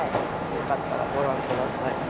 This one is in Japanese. よかったらご覧ください。